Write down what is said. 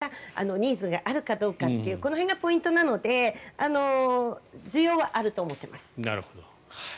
それを海外に進出している日系企業がニーズがあるかどうかというこの辺がポイントなので需要はあると思っています。